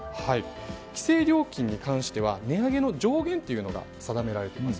規制料金に関しては値上げの上限が定められています。